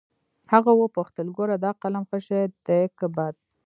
هغه وپوښتل ګوره دا قلم ښه شى ديه که بد.